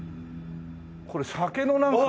これ酒のなんか。